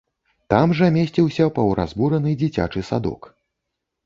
Там жа месціўся паўразбураны дзіцячы садок.